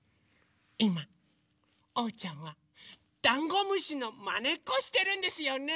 いまおうちゃんはダンゴムシのまねっこしてるんですよね。